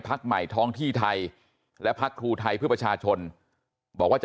ใหม่ท้องที่ไทยและพักครูไทยเพื่อประชาชนบอกว่าจะ